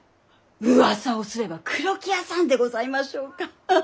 うわさをすれば黒木屋さんでございましょうかハハッ！